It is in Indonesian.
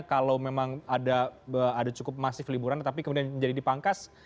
kalau memang ada cukup masif liburan tapi kemudian menjadi dipangkas